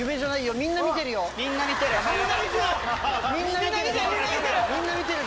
みんな見てるぞ！